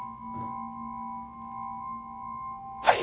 はい。